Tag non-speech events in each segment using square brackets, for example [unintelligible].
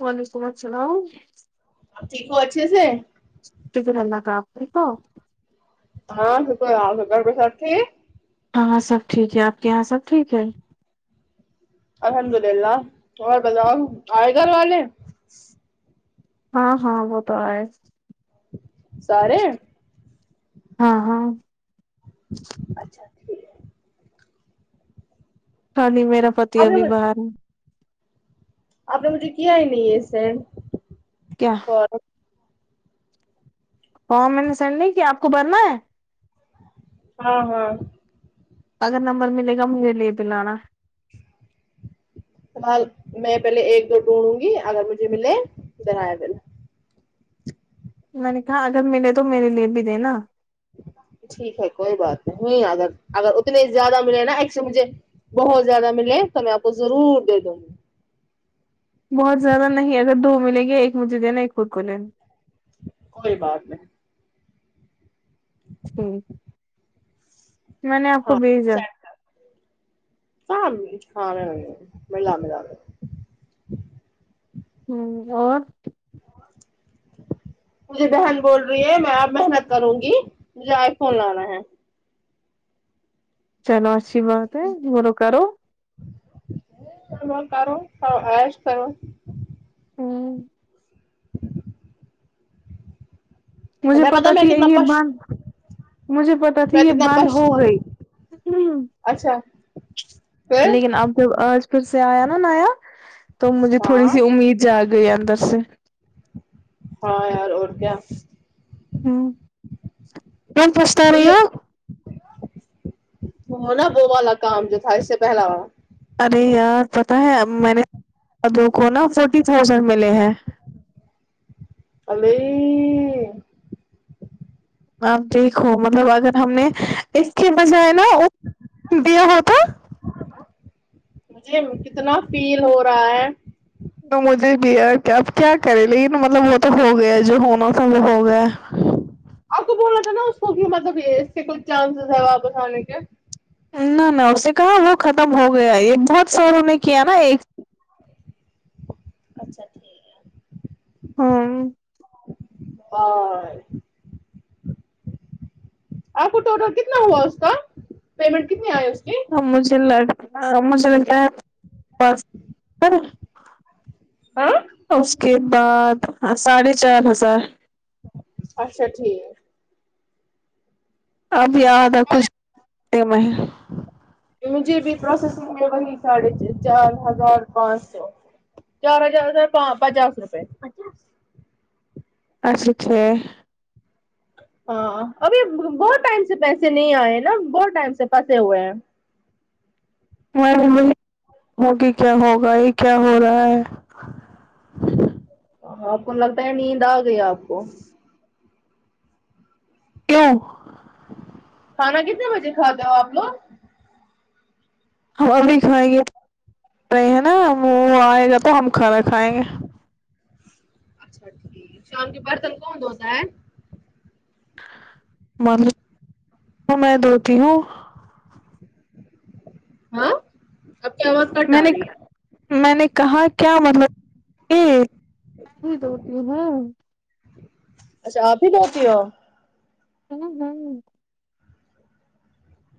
وعلیکم السلام آپ ٹھیک ہوں اچھے سے شکر اللہ کا آپ ٹھیک ہوں ہاں شکر ہے آپ کے گھر پہ سب ٹہیک ہاہاں سب ٹھیک ہے آپ کے یہاں سب ٹھیک ہے الحمد للہ اور بتاؤں آئے گھر والے ہاں ہاں وہ تو ائے سارے ہاں ہاں اچھا ٹھیک ہے خالی میرا پتی آپ ابھی نے باہر ہے آپ نے مجھے کیا ہی نہیں ہے سیر کیا اور کو میں نے سنڈ نہیں کیا آپ کو بھرنا ہے ہاں ہاں اگر نمبر ملے گا مجھے لے پل آنا فی الحال میں پہلے ایک دو ڈھونڈوں گی اگر مجھے ملے ادر بل میں نے کہا اگر ملے تو میرے لیے بھی دینا ٹھیک ہے کوئی بات نہیں اگر اگر اتنے زیادہ ملے نا ایک سے مجھے بہت زیادہ ملے تو میں آپ کو ضرور دے دوں بہت زیادہ نہیں اگر دو ملیں گے ایک مجھے دینا ایک خود کو لینا کوئی بات نہیں ٹھک میں نے آپ کو ہاں بھیجا سینڈ کر۔ ہاں ہاں ملا ملا ہوں اور مجھے بہن بول رہی ہے میں اپ محنت کروں گی مجھے آئی فون لانا ہے چلو اچھی بات ہے مون کرو [unintelligible] کرارو عش کرو ہوں مجھے میں پتا میں تھی کتنا یہ پش بند مجھے پتا تھی میں یہ کتنا بند پش ہو ہوں، گئی اچھا پھر لیکن اب جب آج پھر سے آیا نا نایا تو مجھے تھوڑی ہاں سی امید جا گئی اندر سے ہاں یار اور کیا ہوں کون پرس مجھے ہونا وہ والا کام جو تھا اس سے پہلا والا ارے یار پتا ہے اب میں نے ابو کو نا فورٹی تھاؤزینڈ ملے ہیں امی آپ دیکھو مطلب اگر ہم نے اس کے بجائے نا دیا ہوتا مجھے کتنا فیل ہو رہا ہے تو مجھے بھیا کیا اب کیا کریں لیکن مطلب وہ تو ہو گیا ہے جو ہونا تھا وہ ہو گیا آپ کو بولنا تھا نا اس کو بھی مطلب اس سے کچھ چانسز ہے واپس آنے کے نہ نہ اس نے کہا وہ ختم ہو گیا یہ بہت ساروں نے کیا نا ایک اچھا ٹھیک ہے ہاں بائے آپ کو ٹوٹل کتنا ہوا اس کا پیمنٹ کتنی آئے اس کی مجھے لگتا مجھے لگتا ہے [unintelligible] ہاں اس کے بعد ساڑھے چار ہزار اچھا ٹھیک اب یہ آدھا کچھ [unintelligible] میں مجھے بھی پروسیسنگ میں وہی ساڑھے چار ہزار پانچ سو چار ہزار پ پچاس روپئے چا اچھے اچھے ہاں ابھی بہت ٹائم سے پیسے نہیں آئے نا بہت ٹائم سے پھنسے ہوئے ہیں [unintelligible] میںی آگے کیا ہوگا یہ کیا ہو رہا ہے آپ کو لگتا ہے نیند آ گئی آپ کو کیوں کھانا کتنے بجے کھاتے ہو آپ لوگ ہم ابھی کھائیں گے رہے ہیں نا وہ آئے گا تو ہم کھانا کھائیں گے اچھا ٹھیک شام کے برتن کون دھوتا ہے مطلب میں دھوتی ہوں ہاں آپ کی آواز کٹ میں آ نے رہی ہے میں نے کہا کیا مطلب ہے میں دھوتی ہوں اچھا آپ ہی دھوتی ہو [unintelligible]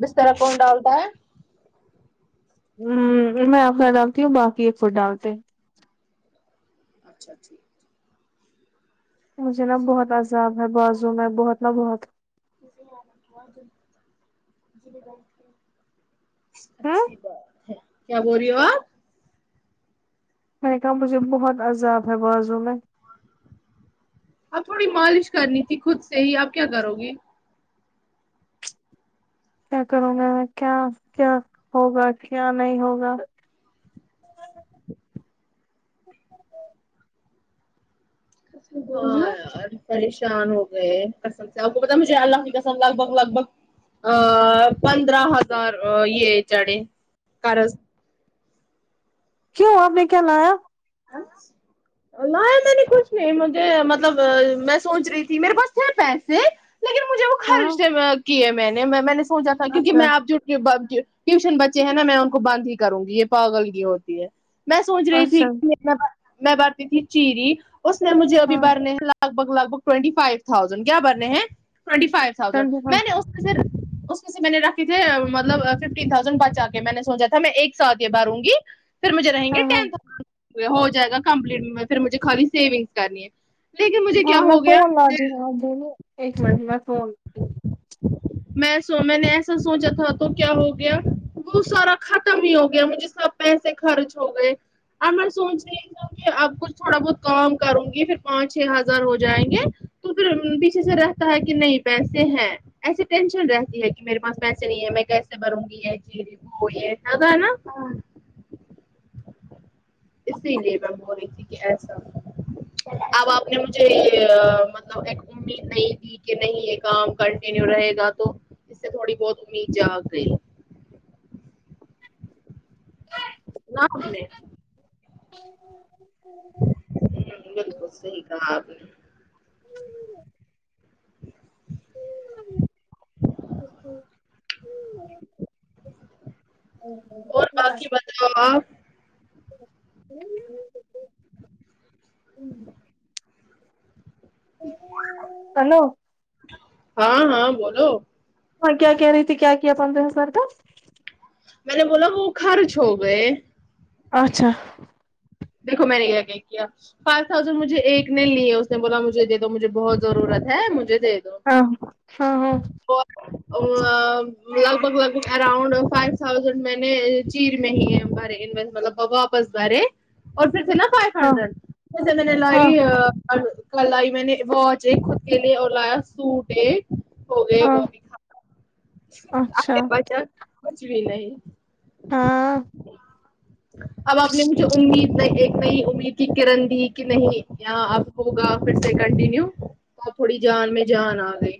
بسترا کون ڈالتا ہے ہوں میں آپنا ڈالتی ہوں باقی ایک فر ڈالتے ہیں اچھا ٹھیک مجھے نا بہت عذاب ہے بازو میں بہت نا بہت ہوں اچھی بات کیا بول رہی ہو آپ میں نے کہا مجھے بہت عذاب ہے بازو میں اب تھوڑی مالش کرنی تھی خود سے ہی اب کیا کرو گی کیا کروں گا میں کیا کیا ہوگا کیا نہیں ہوگا [inaudible] ہاں یار پریشان ہوگیے قسم آپ کو پتا مجے اللہ کی قسم لگ بگ لگ بگ ا پندرہ ہزار یہ چڑھےقرض کیوں آپ نے کیا لایا ہاں لا یا میں نے کچھ نہیں مجھے مطلب میں سوچ رہی تھی میرے پاس تھے پیسے لیکن مجھے وہ ہاں خرچ سے کیے میں نے میں نے سوچا تھا کیونکہ میں اچھا آپ جو ٹیوشن بچے ہیں نا میں ان کو بند ہی کروں گی یہ پاگلگی ہوتی ہے میں سوچ رہی تھی اچھا کہ میں برتی تھی چیری اس نے مجھے ابھی ہاں برنے لگ بگ لگ بھگ ٹوینٹی فائیو تھازینڈ کیا بننے ہیں ٹوینٹی فائیو تھازینڈ ٹوینٹی میں فائیو نے اس اس میں سے میں نے رکھے تھے مطلب ففٹین تھازینڈ بچا کے میں نے سوچا تھا میں ایک ساتھ یہ بروں گی پھر مجھے رہیں گے ہاں ہاں ٹین ہو جائے گا کمپلیٹ میں پھر مجھے خالی سیونگس کرنی لیکن مجھے کیا ہاں میں ہو گیا فون مجھے لاتی ہوں ایک منٹ میں فون میں سو میں نے ایسا سوچا تھوڑا تو کیا ہو گیا وہ سارا ختم ہی ہو گیا مجھے سب پیسے خرچ ہو گئے اب میں سوچ رہی ہ کہ اب کچھ تھوڑا بہت کام کروں گی پھر پانچ چھ ہزار ہو جائیں گے تو پھر پیچھے سے رہتا ہے کہ نہیں پیسے ہیں ایسی ٹینشن رہتی ہے کہ میرے پاس پیسے نہیں ہے میں کیسے بھروں گی وہ یہ نا گا نا اسی لیے میں بور رہی تھی کہ ایسا اب آپ نے مجھے یہ مطلب ایک امید نہیں دی کہ نہیں یہ کام کنٹینیو رہے گا تو اس سے تھوڑی بہت امید جگ گئی نہ ہم نے ہ ہ بلکل سہی کہاں آپ نے اور باقی بدلاؤ آپ ہ ہیلو ہاں ہاں بولو ہاں کیا کہہ رہی تھی کیا پندرہ ہزار کا میں نے بولا وہ خرچ ہو گئے اچھا دیکھو میں نے یہ کہ کیا فائیو تھاؤزینڈ مجھے ایک نے لیے اس نے بولا مجھے د دو مجھے بہت ضرورت ہے مجھے ہاں ہاں ہاں وہ ا لگ بھگ لگ بھگ اراؤنڈ فائیو تھاؤزینڈ میں نے چین میں ہی ہے ہمارے انوس مطلب با واپس بھارے اور پھر سے نا فائیو ہاں ہنڈرڈ پ ج میں نے ہاں لائی اور کل آئی میں نے واچ ایک خود کے لیے اور لایا سوٹ ایک ہو گئے ہاں وہ بھی ختم اب اچھا کیا بچا کچھ بھی نہیں ہاں اب آپ نے جو امید ہے ایک نہیں امید کی کرن دی کہ نہیں یہاں اب ہوگا پھر سے کنٹینیو تو اب تھوڑی جان میں جان آ گئی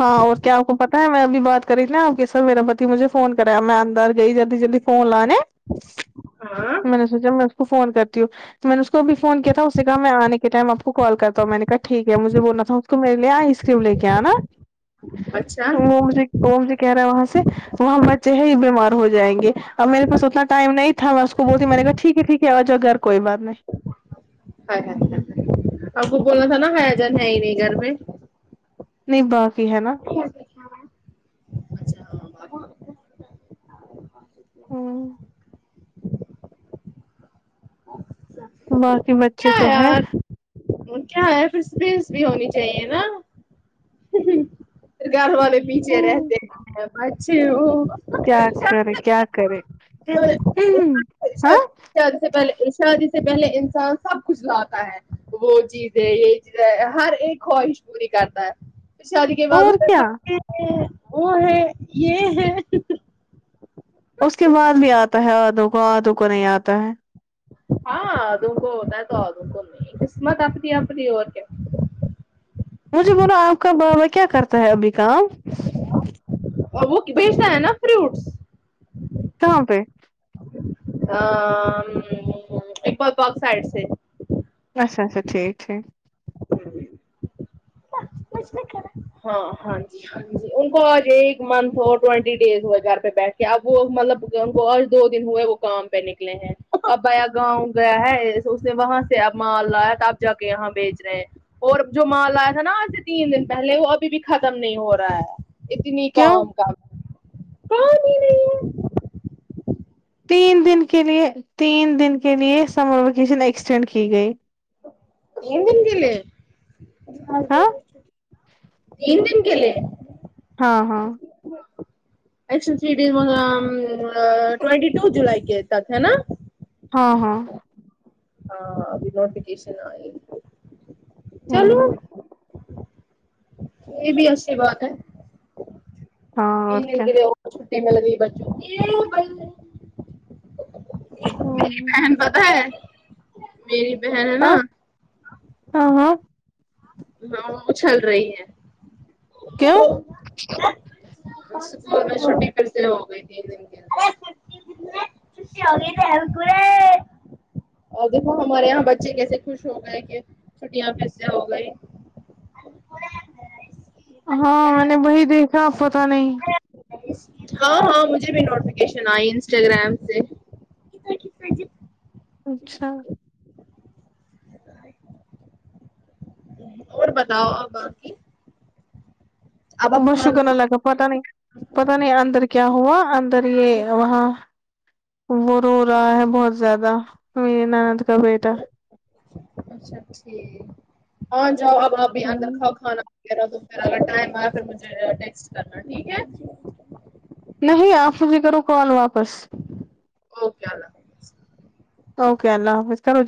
ہاں اور کیا اپ کو پٹ میں ابھی بات کری ت ن ا سر میرا پتی مجھے فون کرایا میں اندار گئی جلدی جلدی فون لانے ہاں میں نے سوچا میں اس کو فون کرتی ہوں تو میں نے اس کو بھی فون کیا تھا اسے کہ میں آنے کے ٹائم آپ کو کال کرتا ہوں میں نے کہا ٹھیک ہے مجھے وہ نفوف تو میر لے آئس کریم لے کے آ نا اچھا وہم سے کہہ رہا ہے وہاں سے وہاں بچے ہی بیمار ہو جائیں گے اب میرے پا اتنا ٹائم نہیں تھا میں اس کو بولتی میں نے کہا ٹھیک ہے ٹھیک ہے آ جا گھر کوئی بات نہیں ہائے آپ کو بولنا تھا نا ہیاجان ہے ہی نہیں گھر میں نہیں باقی ہےنا [unintelligible] اچھا ہاں باقی ہوں ہاں باقی بچے تو ہیں کیا ہے پھر اسپس بھی ہونی چاہیے نا پھر گھر والے پیچھے رہتے ہیں میں اچچی ہوں کیا کرے کیا کرے ہاں شادی سے پہلے شادی سے پہلے انسان سب کچھ لاتا ہے وہ جی یہ چیزیں ہر ایک خواہش پوری کرتا ہے پ شادی کے بعد اور اسے کیا بچے ہیں وہ ہے یہ ہے اس کے بعد بھی آتا ہے آدھو کو آدھوں کو نہیں آتا ہے ہاں ادو کونا تو ادو کو نہیں قسمت اپنی اپنی اور کیا مجھے بولو آپ کا بابا کیا کرتا ہے ابھی کام اب وہ بیچتا ہے نا فروٹس کہاں پے ا ام اال پک سائڈ سے اچھا اچھا ٹھیک ہے [unintelligible] کچھ نہیں کرا ہاں ہاں جی ہا جی ان کو آج ایک منتھ ہو ٹوینٹی ڈیز ہوئے گھر پہ بیٹھ کے اب وہ مطلب ان کو اور دو دن ہوئے وہ گم پہ نکلے ہیں اب آیا گاؤں گیا ہے اس نے وہاں سے اب مال لایا تھا اب جا کے یہاں بیچ رہے ہیں اور جو مال لایا تھا ناآج تین دن پہلے وہ ابھی بھی ختم نہیں ہو رہا ہے اتنی کیوں کام کام پانی نہیں ہے تین دن کے لیے تین دن کے لیے سمر ویکیشن ایکسٹینڈ کی گئی تین دن کے لئے ہاں تین دن کےلئیے ہاں ہاں ایکشن تھری ڈز اں ام ٹوینٹی ٹو جولائی کے ہے نا ہاں ہاں ہاں ابھیوٹیفکیشن آئی چلو ہ یہ بھی اچھی بات ہے ہاں تین اور دن کیا کے لئیے وہ چھٹی مل گئی بچوں کو میری ہاں بہن پتا ہے میری بہن ہے نا ہاں ہاں ہاں وہ چھل رہی ہے کیوں شول میں شوٹی پھر سے ہوگتی تین دن کی [unintelligible] اور دیکھو ہمارے یہاں بچے کیسے خوش ہو گئے کہ چھٹیاں کیس سے ہو گئی ہاں میں نےوہی دیکھا اب پتا نہیں ہاں ہاں مجھے بھی نوٹیفکیشن آئی انسٹاگرام سے اچھا اور بتاؤ باقی اب آپ بس کھانا شیکر اللہ کا پتا نہیں پتا نہیں اندر کیا ہوا اندر یہ وہاں وہ رو رہا ہے بہت زیادہ میری نانند کا بیٹا اچھا ٹھیک آ جاؤ اب آپ بھی اندر ہ کھاؤ کھانا اگر ٹائم آیا پھر مجھے ٹیکسٹ کرنا ٹھیک ہے نہیں آپ مجھے کرو کال واپس اوکے اللہ حافظ اوکے اللہ حافظ چلو